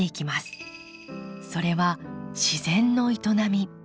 それは自然の営み。